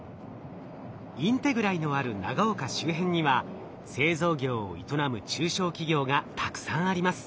ＩｎｔｅｇｒＡＩのある長岡周辺には製造業を営む中小企業がたくさんあります。